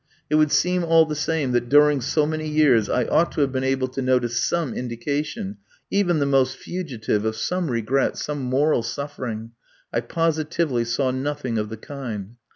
It would seem all the same that during so many years I ought to have been able to notice some indication, even the most fugitive, of some regret, some moral suffering. I positively saw nothing of the kind.